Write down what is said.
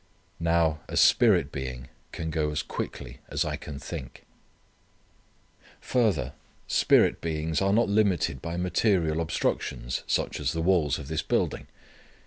Now a spirit being can go as quickly as I can think. Further, spirit beings are not limited by material obstructions such as the walls of this building.